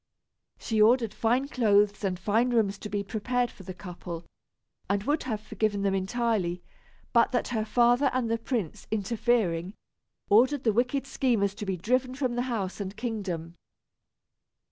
She ordered fine clothes and fine rooms to be prepared for the couple, and would have forgiven them entirely, but that her father and the prince, interfering, ordered the wicked schemers to be driven from the house and kingdom.